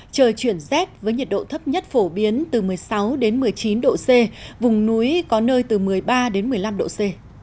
trời chuyển rét với nhiệt độ thấp nhất phổ biến từ một mươi sáu đến một mươi chín độ c vùng núi có nơi từ một mươi ba đến một mươi năm độ c